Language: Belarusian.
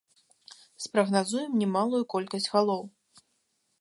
Спрагназуем немалую колькасць галоў.